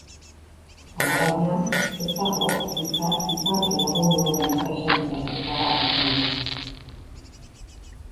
Alabaina, ez dago izar lagun horren presentziaren froga zuzenik.